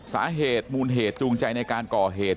สาเหตุมูลเหตุจูงใจในการก่อเหตุ